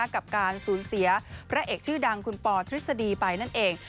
กับการสูญเสียพระเอกชื่อดังคุณปอทฤษฎีไปนั่นเอง